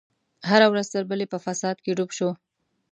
هره ورځ تر بلې په فساد کې ډوب شو.